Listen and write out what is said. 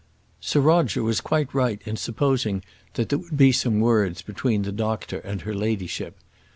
Sir Roger was quite right in supposing that there would be some words between the doctor and her ladyship.